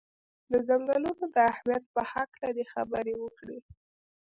د څنګلونو د اهمیت په هکله دې خبرې وکړي.